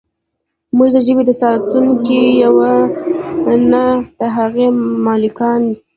موږ د ژبې ساتونکي یو نه د هغې مالکان.